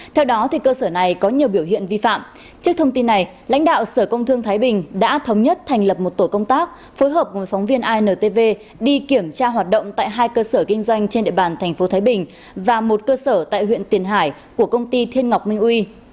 theo đó cơ sở này có nhiều biểu hiện vi phạm trước thông tin này lãnh đạo sở công thương thái bình đã thống nhất thành lập một tổ công tác phối hợp với phóng viên intv đi kiểm tra hoạt động tại hai cơ sở kinh doanh trên địa bàn tp thái bình và một cơ sở tại huyện tiền hải của công ty thiên ngọc minh uy